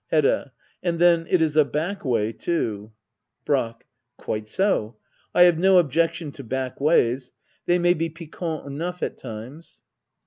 Hedda. And then it is a back way, too. Brack. Quite so. I have no objection to back ways. They may be piquant enough at times.